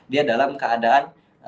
dia dalam keadaan